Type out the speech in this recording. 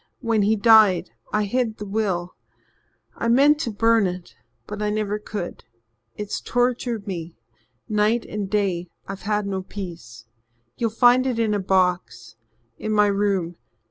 When he died I hid the will. I meant to burn it but I never could. It's tortured me night and day I've had no peace. You'll find it in a box in my room.